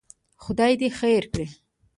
خدای دې خیر کړي.